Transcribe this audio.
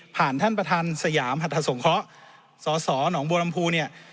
ผ่านท่านประธานสยามหัตถสงเคราะห์สสหนบวลำพู